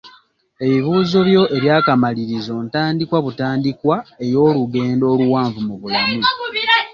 Ebibuuzo byo eby'akamalirizo ntandikwa butandikwa ey'olugendo oluwanvu mu bulamu.